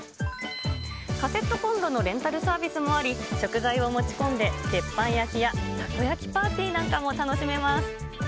カセットコンロのレンタルサービスもあり、食材を持ち込んで鉄板焼きやたこ焼きパーティーなんかも楽しめます。